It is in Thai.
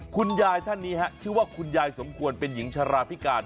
คุณยายท่านนี้ชื่อว่าคุณยายสมควรเป็นหญิงชาราพิการ